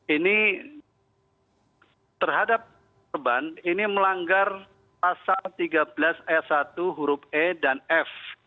ini terhadap korban ini melanggar pasal tiga belas s satu huruf e dan f